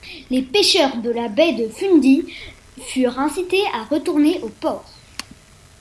Les pêcheurs de la baie de Fundy furent incités à retourner au port.